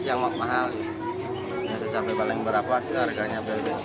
yang mahal mahal harganya